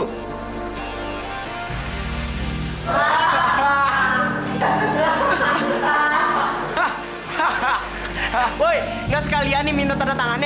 woy nggak sekalian nih minta tanda tangannya